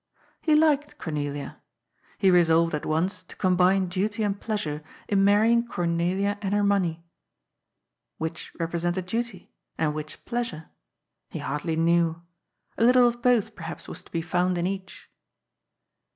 He liked Cornelia. He resolved at once, to com bine duty and pleasure in marrying Cornelia and her money. Which represented duty? And which pleasure? He hardly knew. A little of both, perhaps, was to be found in each.